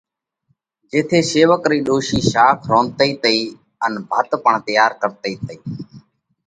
جيٿئہ شيوَڪ رئِي ڏوشِي شاک رونڌتئِي تئِي، ان ڀت پڻ تئيار ڪرتئِي تئِي۔